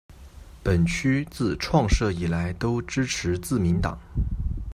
本区自创设以来都支持自民党。